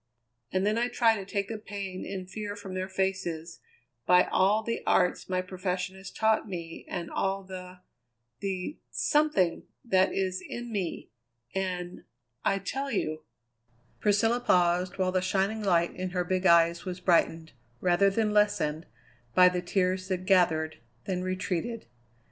And then I try to take the pain and fear from their faces by all the arts my profession has taught me and all the the something that is in me, and I tell you " Priscilla paused, while the shining light in her big eyes was brightened, rather than lessened, by the tears that gathered, then retreated.